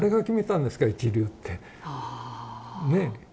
ねえ。